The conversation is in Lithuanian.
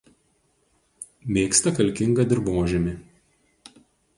Mėgsta kalkingą dirvožemį.